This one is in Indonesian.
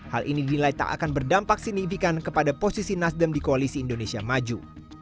hal ini dinilai tak akan berdampak signifikan kepada posisi nasdem di koalisi indonesia maju